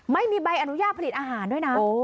ไม่มีใบอนุญาตผลิตอาหารด้วยนะ